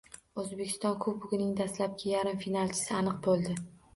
O‘zbekiston Kubogining dastlabki yarim finalchisi aniq bo‘ldi